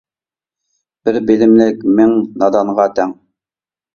بىر بىلىملىك مىڭ نادانغا تەڭ.